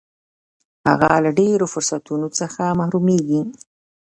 هغه له ډېرو فرصتونو څخه محرومیږي.